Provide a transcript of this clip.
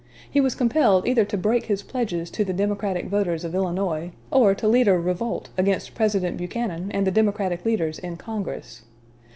He was compelled either to break his pledges to the Democratic voters of Illinois, or to lead a revolt against President Buchanan and the Democratic leaders in Congress.